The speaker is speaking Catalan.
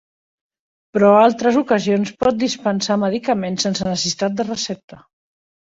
Però altres ocasions pot dispensar medicaments sense necessitat de recepta.